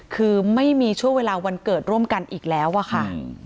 คือไม่มีช่วงเวลาวันเกิดร่วมกันอีกแล้วอะค่ะ